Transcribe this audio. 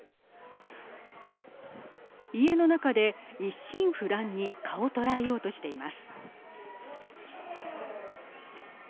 家の中で一心不乱に蚊を捕らえようとしています。